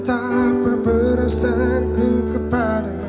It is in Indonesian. apa perasaanku kepada